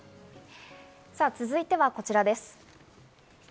続いてはこちらです。